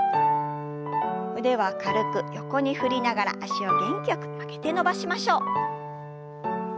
腕は軽く横に振りながら脚を元気よく曲げて伸ばしましょう。